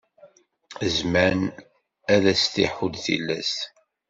Zzman ad s-d-iḥudd tilas.